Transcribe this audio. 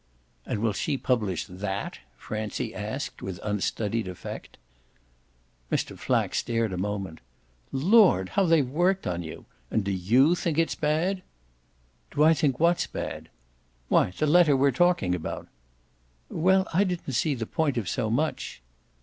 "And will she publish THAT?" Francie asked with unstudied effect. Mr. Flack stared a moment. "Lord, how they've worked on you! And do YOU think it's bad?" "Do I think what's bad?" "Why the letter we're talking about." "Well I didn't see the point of so much."